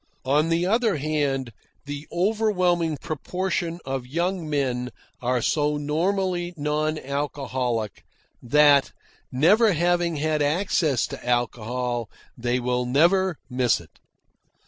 On the other hand, the overwhelming proportion of young men are so normally non alcoholic, that, never having had access to alcohol, they will never miss it.